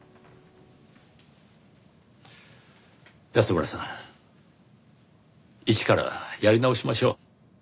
安村さん一からやり直しましょう。